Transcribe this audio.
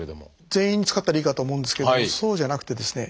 全員に使ったらいいかと思うんですけどもそうじゃなくてですね